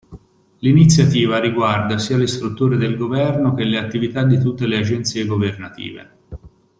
L'iniziativa riguarda sia le strutture del governo che le attività di tutte le agenzie governative.